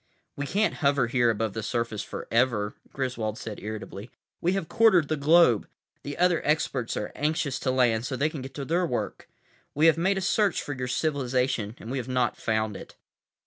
"We can't hover here above the surface forever," Griswold said irritably. "We have quartered the globe. The other experts are anxious to land, so they can get to their work. We have made a search for your civilization and we have not found it."